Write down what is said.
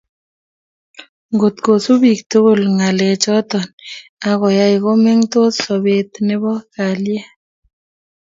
Ngotkosub bik tugul ngalechoto akoyai ko mengtos sobet nebo kalyet